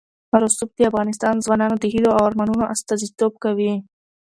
رسوب د افغان ځوانانو د هیلو او ارمانونو استازیتوب کوي.